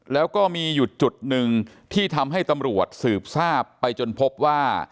แล้วก็มีอยู่จุดหนึ่งที่ทำให้ตำรวจสืบทราบไปจนพบว่า